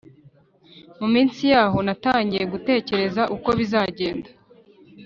Mu minsi yaho natangiye gutekereza uko bizagenda